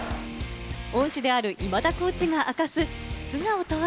恩師である今田コーチが明かす素顔とは？